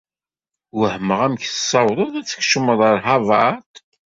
Wehmeɣ amek tessawḍeḍ ad tkecmeḍ ɣer Havard.